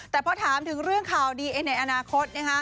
แต่พอถามถึงเรื่องข่าวดีในอนาคต